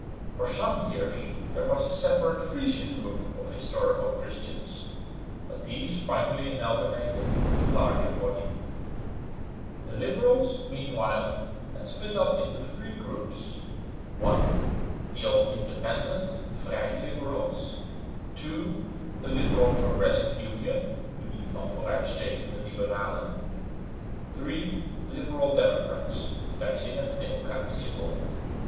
For some years there was a separate Frisian group of "Historical Christians," but these finally amalgamated with the larger body. The liberals meanwhile had split up into three groups: (1) the Old Independent (vrij) Liberals; (2) the Liberal Progressive Union (Unie van vooruitstrevende Liberalen); (3) Liberal Democrats (vrijzinnig democratischen Bond).